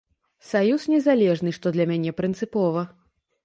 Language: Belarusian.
Саюз незалежны, што для мяне прынцыпова.